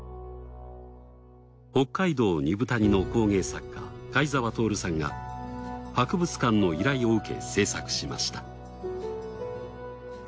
北海道二風谷の工芸作家貝澤徹さんが博物館の依頼を受け制作しました。